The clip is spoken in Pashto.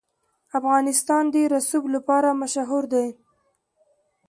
افغانستان د رسوب لپاره مشهور دی.